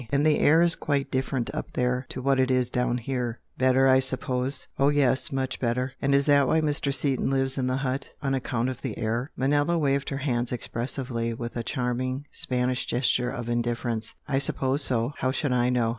And the air is quite different up there to what it is down here." "Better, I suppose?" "Oh, yes! Much better!" "And is that why Mr. Seaton lives in the hut? On account of the air?" Manella waved her hands expressively with a charming Spanish gesture of indifference. "I suppose so! How should I know?